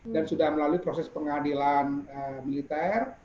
dan sudah melalui proses pengadilan militer